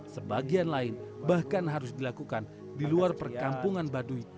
sebagian lain bahkan harus dilakukan di luar perkampungan baduy